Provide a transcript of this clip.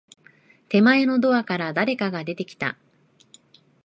手前のドアから、誰かが出てきた。